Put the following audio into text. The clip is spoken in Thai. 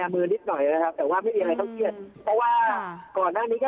ก่อนหน้านี้ก็ได้ให้เขาตรวจสาวด้วยก่อนแล้วว่ากระบวนการทั้งหมดมันจะต้องเป็นยังไงบ้าง